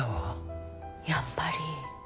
やっぱり。